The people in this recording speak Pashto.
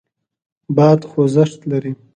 باد خوځښت لري.